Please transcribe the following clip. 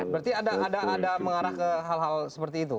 berarti ada mengarah ke hal hal seperti itu